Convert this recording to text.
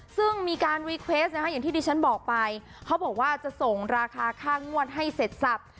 ซึ่งมีการวีเควสนะคะอย่างที่ดิฉันบอกไปเขาบอกว่าจะส่งราคาค่างวดให้เสร็จสับ